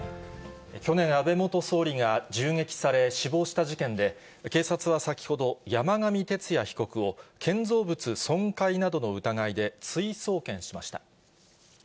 去年、安倍元総理が銃撃され、死亡した事件で、警察は先ほど、山上徹也被告を、建造物損壊などの疑いで追送検しました。